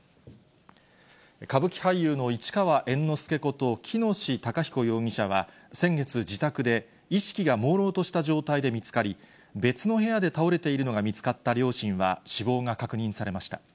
歌舞伎俳優の市川猿之助こと、喜熨斗孝彦容疑者は先月、自宅で、意識がもうろうとした状態で見つかり、別の部屋で倒れているのが見つかった両親は、死亡が確認されました。